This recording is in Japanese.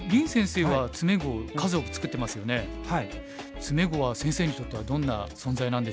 詰碁は先生にとってはどんな存在なんでしょう。